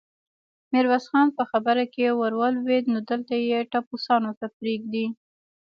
ميرويس خان په خبره کې ور ولوېد: نو دلته يې ټپوسانو ته پرېږدې؟